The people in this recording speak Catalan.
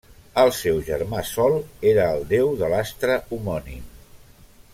El seu germà Sol era el déu de l'astre homònim.